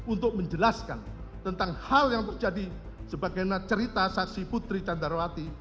untuk menjelaskan tentang hal yang terjadi sebagaimana cerita saksi putri candrawati